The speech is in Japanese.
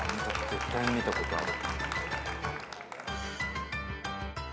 絶対見たことある。